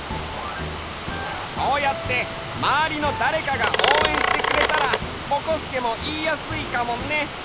そうやってまわりのだれかがおうえんしてくれたらぼこすけもいいやすいかもね。